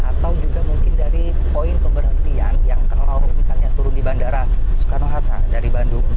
atau juga mungkin dari poin pemberhentian yang kalau misalnya turun di bandara soekarno hatta dari bandung